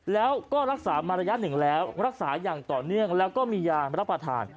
แล้วก็รักษามาระยะหนึ่งแล้วรักษาอย่างต่อเนื่องแล้วก็มียามารับประทาน